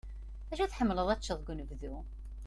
D acu i tḥemmleḍ ad t-teččeḍ deg unebdu?